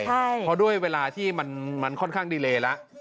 เพราะด้วยเวลาที่มันค่อนข้างดีเลแล้ว